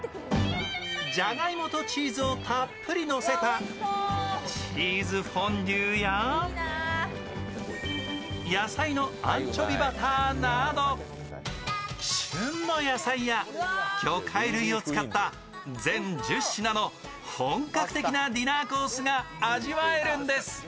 ジャガイモとチーズをたっぷりのせたチーズフォンデュや野菜のアンチョビバターなど、旬の野菜や魚介類を使った全１０品の本格的なディナーコースが味わえるんです。